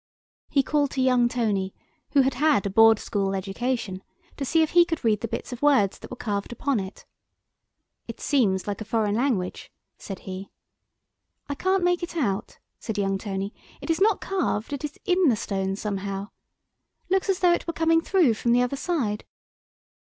He called to young Tony, who had had a Board School education, to see if he could read the bits of words that were carved upon it. "It seems like a foreign language," said he. "I can't make it out," said young Tony, "it is not carved, it is in the stone somehow. Looks as if it were coming through from the other side."